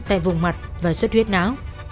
tại vùng mặt và suất huyết não